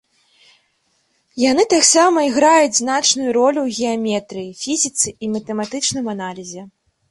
Яны таксама іграюць значную ролю ў геаметрыі, фізіцы і матэматычным аналізе.